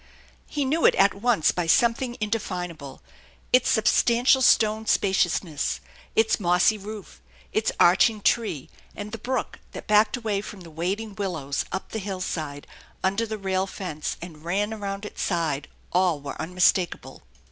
He knew it at once by something indefinable. Its sub stantial stone spaciousness, its mossy roof, its arching tree, and the brook that backed away from the wading willows, up the hillside, under the rail fence, and ran around its side, all were unmistakable.